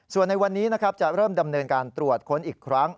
ส่วนในวันนี้นะครับจะเริ่มดำเนินการตรวจค้นอีกครั้ง